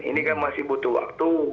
ini kan masih butuh waktu